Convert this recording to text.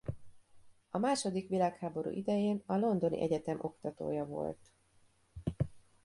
A második világháború idején a Londoni Egyetem oktatója volt.